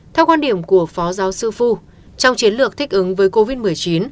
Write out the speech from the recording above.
theo quan điểm của phó giáo sư phu trong chiến lược thích ứng với covid một mươi chín